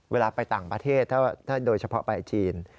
เวลาไปต่างประเทศถ้าโดยเฉพาะไปจีน